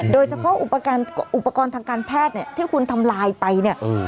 โดยเฉพาะอุปกรณ์ทางการแพทย์เนี่ยที่คุณทำลายไปเนี่ย